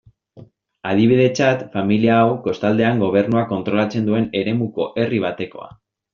Adibidetzat, familia hau, kostaldean gobernuak kontrolatzen duen eremuko herri batekoa.